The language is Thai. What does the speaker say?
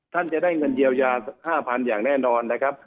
ท่านจะได้เงินเยียวยา๕๐๐๐อย่างแน่นอนนะครับ